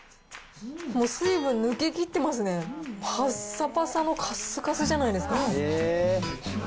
もう水分抜けきってますね、ぱっさぱさのかっすかすじゃないですか。